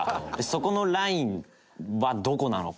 そこのラインはどこなのか。